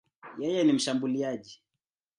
Yeye ni mshambuliaji.